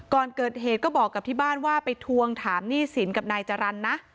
ก่อนเกิดเหตุก็บอกกับที่บ้านว่าไปทวงถามหนี้สินกับนายจรรย์นะ